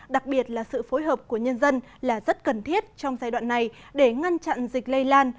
đặc biệt là sự phối hợp của nhân dân là rất cần thiết trong giai đoạn này để ngăn chặn dịch lây lan